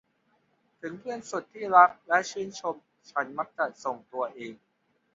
ถึงเพื่อนสุดที่รักและชื่นชมฉันมักจะส่งตัวเอง